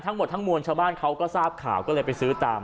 ทั้งหมดทั้งมวลชาวบ้านเขาก็ทราบข่าวก็เลยไปซื้อตาม